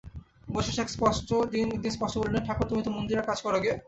অবশেষে এক দিন স্পষ্ট বলিলেন, ঠাকুর, তুমি তোমার মন্দিরের কাজ করোগে।